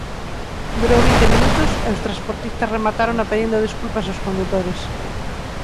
Durou vinte minutos e os transportistas rematárona pedindo desculpas aos condutores.